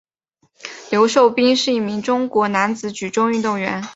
刘寿斌是一名中国男子举重运动员。